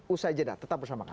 usai jeda tetap bersama kami